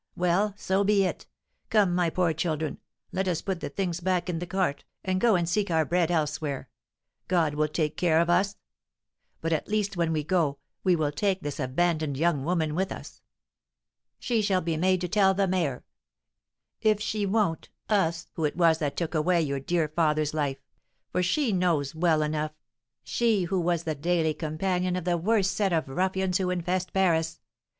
"Well, so be it. Come, my poor children, let us put the things back in the cart, and go and seek our bread elsewhere. God will take care of us. But, at least, when we go, we will take this abandoned young woman with us. She shall be made to tell the mayor, if she won't us, who it was that took away your dear father's life; for she knows well enough she who was the daily companion of the worst set of ruffians who infest Paris.